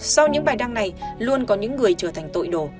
sau những bài đăng này luôn có những người trở thành tội đồ